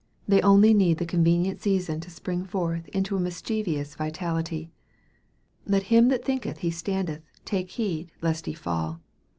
They only need the convenient season to spring forth into a mischievous vitality "Let him that thinketh he standeth take heed lest he fall."